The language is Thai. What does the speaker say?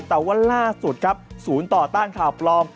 แต่ว่าล่าสุดครับศูนย์ต่อต้านข่าวปลอม